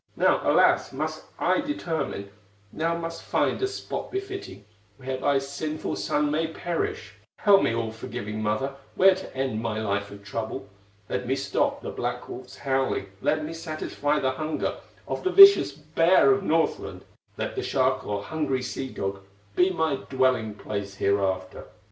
"Now, alas! must I determine, Now must find a spot befitting, Where thy sinful son may perish; Tell me, all forgiving mother, Where to end my life of trouble; Let me stop the black wolf's howling, Let me satisfy the hunger Of the vicious bear of Northland; Let the shark or hungry sea dog Be my dwelling place hereafter!"